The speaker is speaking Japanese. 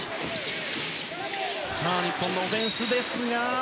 日本のオフェンスですが。